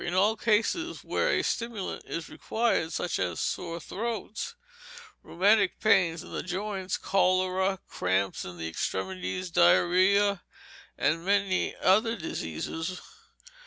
In all cases where a stimulant is required, such as sore throats, rheumatic pains in the joints, cholera, cramps in the extremities, diarrhoea, and many other diseases.